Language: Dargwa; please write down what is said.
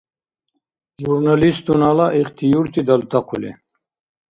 Журналистунала ихтиюрти далтахъули